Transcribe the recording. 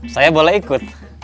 saya boleh ikut